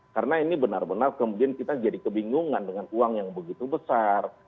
karena ini benar benar kemudian kita jadi kebingungan dengan uang yang begitu besar